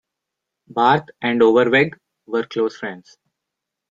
Barth and Overweg were close friends.